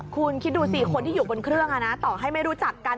คุณคิดดูสิคนที่อยู่บนเครื่องต่อให้ไม่รู้จักกัน